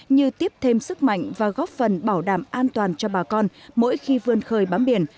như tiếp thêm sức mạnh và góp phần bảo đảm an toàn cho bà con mỗi khi vươn khơi bám biển